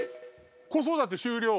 子育て終了？